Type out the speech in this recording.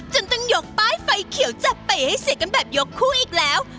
จนต้องยกป้ายไฟเขียวจับเปย์ให้เสียกันแบบยกคู่อีกแล้ว